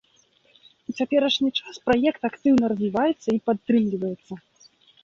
У цяперашні час праект актыўна развіваецца і падтрымліваецца.